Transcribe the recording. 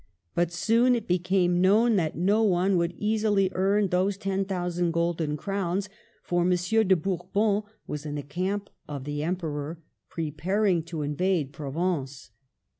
But soon it became known that no one would easily earn those 10,000 golden crowns; for M, de Bourbon was in the camp of the Emperor, preparing to invade Provence.